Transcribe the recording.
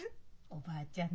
おばあちゃん